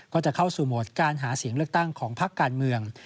ก็จะเข้าสู่โหมดการหาเสียงเลือกตั้งของพักการเมือง